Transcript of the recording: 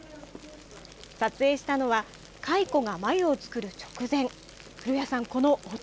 撮影したのは、蚕が繭を作る直前。